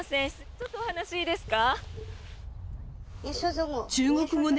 ちょっとお話いいですか？